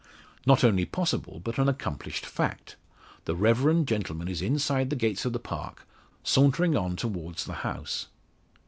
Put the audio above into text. Not only possible, but an accomplished fact. The reverend gentleman is inside the gates of the park, sauntering on towards the house.